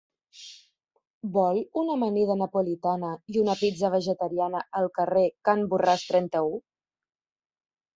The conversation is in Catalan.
Vol una amanida napolitana i una pizza vegetariana al carrer Can Borràs trenta-u?